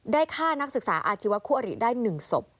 ฆ่านักศึกษาอาชีวะคู่อริได้๑ศพ